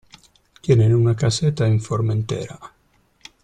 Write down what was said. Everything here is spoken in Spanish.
Tienen una caseta en Formentera.